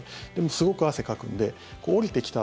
すごく汗をかくんで下りてきた